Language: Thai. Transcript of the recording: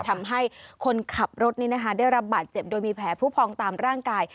ทำให้คนขับรถนี้นะคะได้รับบาดเจ็บโดยมีแผลผู้พองตามร่างกาย